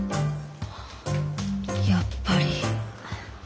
やっぱり。